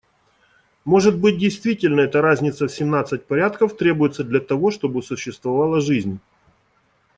Может быть, действительно, эта разница в семнадцать порядков требуется для того, чтобы существовала жизнь.